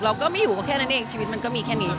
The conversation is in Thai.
เราก็ไม่อยู่ก็แค่นั้นเองชีวิตมันก็มีแค่นี้